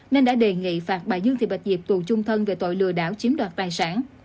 nên đã đề nghị phạt bà dương thị bạch diệp tù chung thân về tội lừa đảo chiếm đoạt tài sản